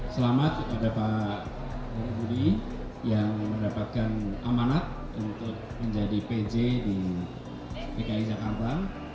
selamat kepada pak budi yang mendapatkan amanat untuk menjadi pj di dki jakarta